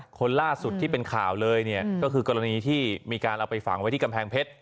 คนล่าสุดที่เป็นข่าวเลยเนี่ยก็คือกรณีที่มีการเอาไปฝังไว้ที่กำแพงเพชร